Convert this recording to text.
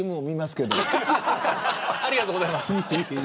ありがとうございます。